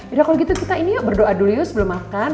ya kalau gitu kita ini yuk berdoa dulu yuk sebelum makan